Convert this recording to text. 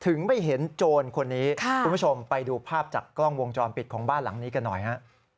ไม่เห็นโจรคนนี้คุณผู้ชมไปดูภาพจากกล้องวงจรปิดของบ้านหลังนี้กันหน่อยฮะ